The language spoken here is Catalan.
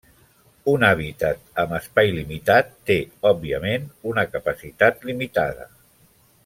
Un hàbitat amb espai limitat té, òbviament, una capacitat limitada.